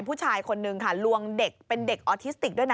ผู้ชายคนนึงค่ะลวงเด็กเป็นเด็กออทิสติกด้วยนะ